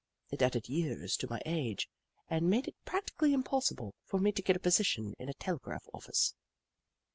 It added years to my age and made it practically impossible for me to get a position in a telegraph office.